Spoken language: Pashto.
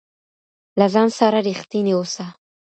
له ځان سره رښتينی اوسه